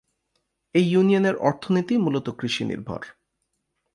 এ ইউনিয়নের অর্থনীতি মূলত কৃষি নির্ভর।